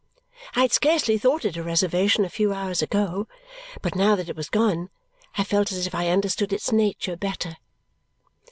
I had scarcely thought it a reservation a few hours ago, but now that it was gone I felt as if I understood its nature better.